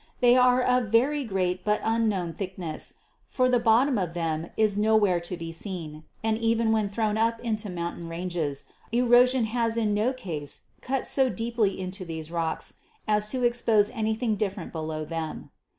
They are of very great but unknown thickness, for the bottom of them is nowhere to be seen, and even when thrown up into mountain ranges, erosion has in no case cut so deeply into these rocks as to expose anything different below them.